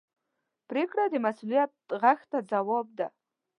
پرېکړه د مسؤلیت غږ ته ځواب ده.